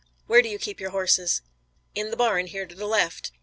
"Where do you keep your horses?" "In the barn here to the left.